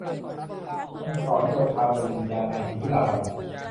พันศรโยธาเป็นบิดานางพิมพิลาไลย